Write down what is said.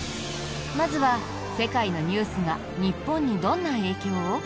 まずは、世界のニュースが日本にどんな影響を？